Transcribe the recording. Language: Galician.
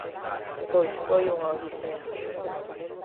Pois foi unha odisea.